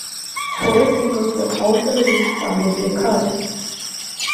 Four singles were also released from this record.